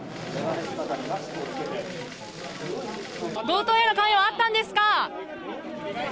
強盗への関与はあったんですか？